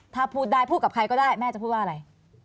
ถ้าพูดได้พูดกับใครก็ได้แม่จะพูดว่าอะไร